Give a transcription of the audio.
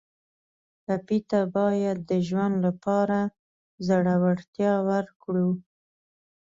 ټپي ته باید د ژوند لپاره زړورتیا ورکړو.